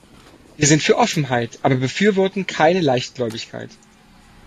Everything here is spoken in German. Wir sind für Offenheit, aber befürworten keine Leichtgläubigkeit.